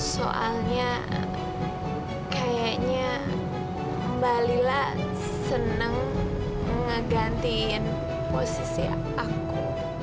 soalnya kayaknya mba lila seneng ngegantiin posisi aku